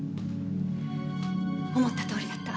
思ったとおりだった。